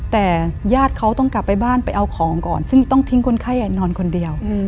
แต่ญาติเขาต้องกลับไปบ้านไปเอาของก่อนซึ่งต้องทิ้งคนไข้นอนคนเดียว